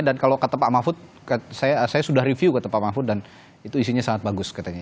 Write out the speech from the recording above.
dan kalau kata pak mahfud saya sudah review kata pak mahfud dan itu isinya sangat bagus katanya